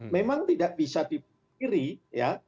memang tidak bisa dipilih